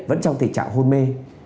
vẫn trong tình trạng hôn mê